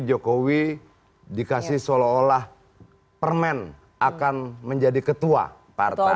jokowi dikasih seolah olah permen akan menjadi ketua partai